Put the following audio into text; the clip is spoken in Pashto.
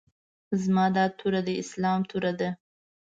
زما دا توره د اسلام توره ده.